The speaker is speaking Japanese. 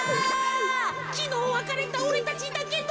きのうわかれたおれたちだけど。